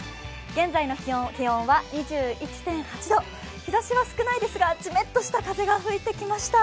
現在の気温は２１．８度日ざしは少ないですが、じめっとした風が吹いてきました。